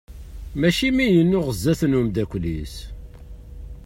Mačči mi yennuɣ sdat n umddakel-is.